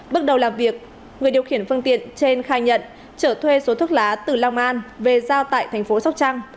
bước đầu làm việc người điều khiển phương tiện trên khai nhận trở thuê số thuốc lá từ long an về giao tại thành phố sóc trăng